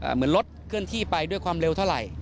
เหมือนรถเคลื่อนที่ไปด้วยความเร็วเท่าไหร่